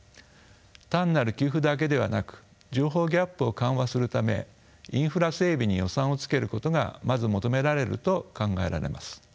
単なる給付だけではなく情報ギャップを緩和するためインフラ整備に予算をつけることがまず求められると考えられます。